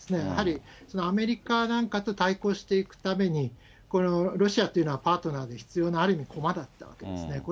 やはりアメリカなんかと対抗していくために、ロシアというのはパートナーが必要なある意味駒だったんですね。